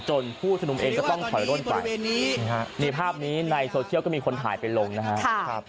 ผู้ชุมนุมเองก็ต้องถอยร่นไปนี่ภาพนี้ในโซเชียลก็มีคนถ่ายไปลงนะครับ